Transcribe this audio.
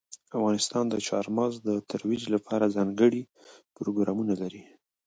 افغانستان د چار مغز د ترویج لپاره ځانګړي پروګرامونه لري.